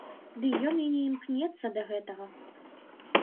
Ды ён і не імкнецца да гэтага.